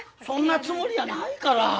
そんなつもりやないから。